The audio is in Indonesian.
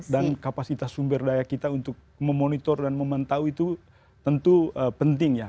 dan kapasitas sumber daya kita untuk memonitor dan memantau itu tentu penting ya